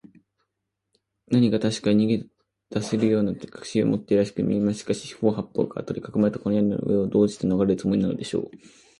何かたしかに逃げだせるという確信を持っているらしくみえます。しかし、四ほう八ぽうからとりかこまれた、この屋根の上を、どうしてのがれるつもりでしょう。